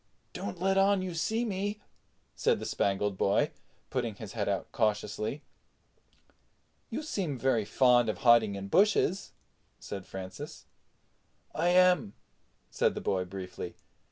"Don't let on you see me," said the Spangled Boy, putting his head out cautiously. "You seem very fond of hiding in bushes," said Francis. "I am," said the boy briefly.